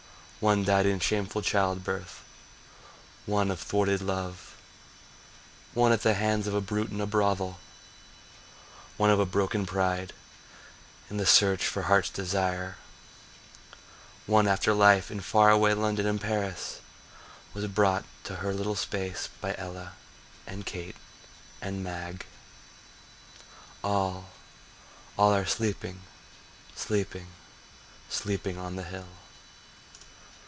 One died in shameful child birth, One of a thwarted love, One at the hands of a brute in a brothel, One of a broken pride, in the search for heart's desire; One after life in far away London and Paris Was brought to her little space by Ella and Kate and Mag— All, all are sleeping, sleeping, sleeping on the hill.